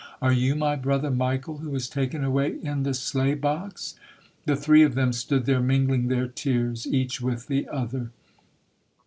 Are you my brother Michael who was taken away in the sleigh box?" The three of them stood there mingling their tears each with the other.